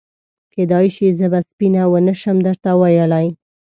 کېدای شي زه به سپینه ونه شم درته ویلای.